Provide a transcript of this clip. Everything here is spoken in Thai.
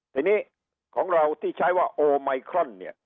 ทีนี้ของเราที่ใช้ว่าโอไมครอนเนี่ย